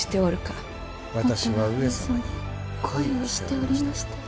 私は上様に恋をしておりましたよ。